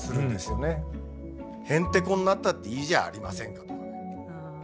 「ヘンテコになったっていいじゃありませんか」とかね。